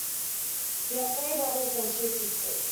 He had three brothers and two sisters.